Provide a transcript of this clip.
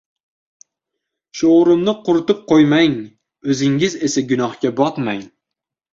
sho‘rimni quritib qo‘ymang, o‘zingiz esa gunohga botmang.